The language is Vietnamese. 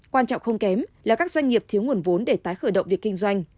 quan trọng không kém là các doanh nghiệp thiếu nguồn vốn để tái khởi động việc kinh doanh